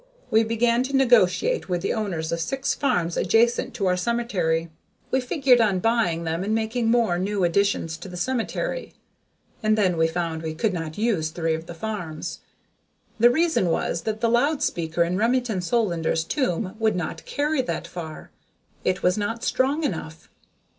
We began to negotiate with the owners of six farms adjacent to our cemetery; we figured on buying them and making more new additions to the cemetery. And then we found we could not use three of the farms. The reason was that the loud speaker in Remington Solander's tomb would not carry that far; it was not strong enough.